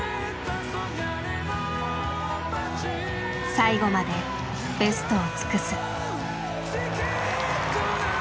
最後までベストを尽くす。